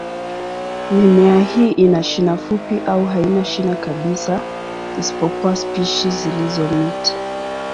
Mimea hii ina shina fupi au haina shina kabisa, isipokuwa spishi zilizo miti.